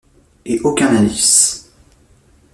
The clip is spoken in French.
Et aucun indice.